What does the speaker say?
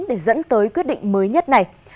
để dẫn tới quyết định mới nhất này